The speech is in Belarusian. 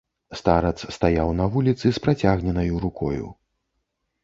Старац стаяў на вуліцы з працягненаю рукою.